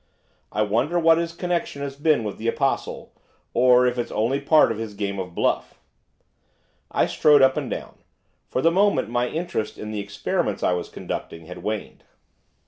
I wonder what his connection has been with the Apostle, or if it's only part of his game of bluff.' I strode up and down, for the moment my interest in the experiments I was conducting had waned.